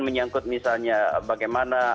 menyangkut misalnya bagaimana